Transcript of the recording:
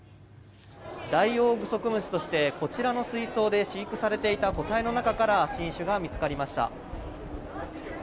ダイオウグソクムシとしてこちらの水槽で飼育されていた個体の中から新種が見つかりました。